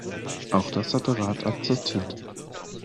Auch das hat der Rat akzeptiert.